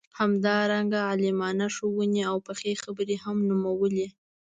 همدارنګه عالمانه ښووني او پخې خبرې هم نومولې.